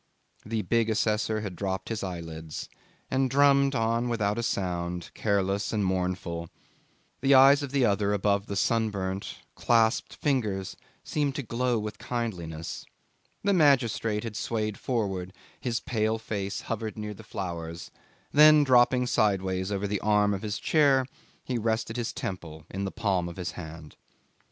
The big assessor had dropped his eyelids, and drummed on without a sound, careless and mournful; the eyes of the other above the sunburnt, clasped fingers seemed to glow with kindliness; the magistrate had swayed forward; his pale face hovered near the flowers, and then dropping sideways over the arm of his chair, he rested his temple in the palm of his hand.